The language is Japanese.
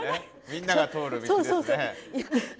みんなが通る道ですね。